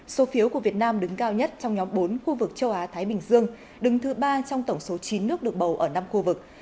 số phiếu của việt nam đứng cao nhất trong nhóm bốn khu vực châu á thái bình dương đứng thứ ba trong tổng số chín nước được bầu ở năm khu vực